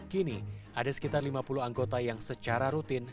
kini ada sekitar lima puluh anggota yang secara rutin